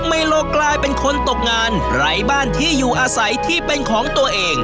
ไมโลกลายเป็นคนตกงานไร้บ้านที่อยู่อาศัยที่เป็นของตัวเอง